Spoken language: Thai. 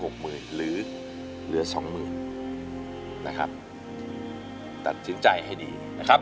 เป็นเพียงอดีต